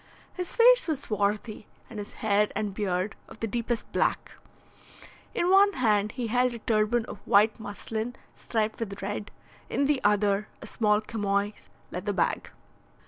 His face was swarthy, and his hair and beard of the deepest black. In one hand he held a turban of white muslin striped with red, in the other a small chamois leather bag.